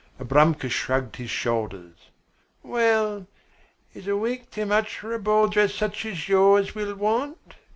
Abramka shrugged his shoulders. "Well, is a week too much for a ball dress such as you will want?